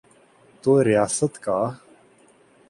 تو ریاست کا۔